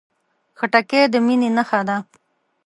خټکی د مینې نښه ده.